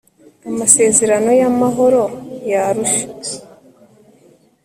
amasezerano y'amahoro y'arusha